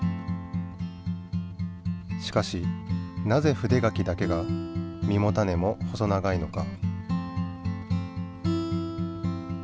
しかしなぜ筆柿だけが実も種も細長いのか？